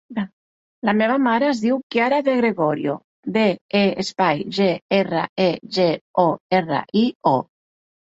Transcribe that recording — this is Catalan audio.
La meva mare es diu Kiara De Gregorio: de, e, espai, ge, erra, e, ge, o, erra, i, o.